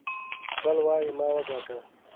بل وايي ما وګاټه.